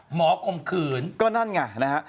หมอกมขื่นก็นั่นไงนะครับ